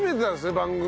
番組。